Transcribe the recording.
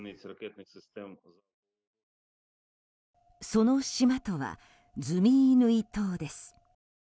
その島とはズミイヌイ島です。